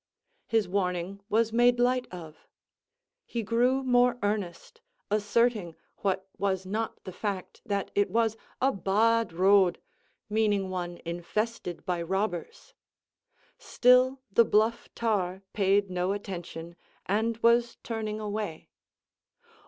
His warning was made light of. He grew more earnest, asserting, what was not the fact, that it was "a bad road," meaning one infested by robbers. Still the bluff tar paid no attention, and was turning away.